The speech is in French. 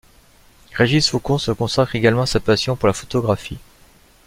Régis Faucon se consacre également à sa passion pour la photographie.